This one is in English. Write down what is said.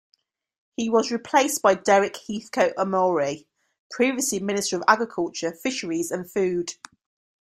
He was replaced by Derick Heathcoat Amory, previously Minister of Agriculture, Fisheries and Food.